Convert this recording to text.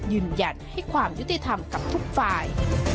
ยืนยันให้ความยุติธรรมกับทุกฝ่าย